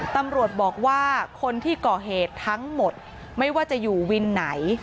ตำรวจบอกว่าคนที่ก่อเหตุทั้งหมดไม่ว่าจะอยู่วินไหน